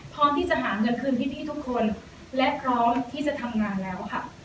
พร้อมที่จะหาเงินคืนพี่ทุกคนและพร้อมที่จะทำงานแล้วค่ะ